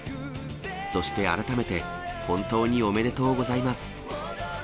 そして、改めて本当におめでとうございます！